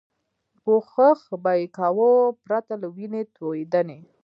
کوښښ به یې کاوه پرته له وینې توېدنې.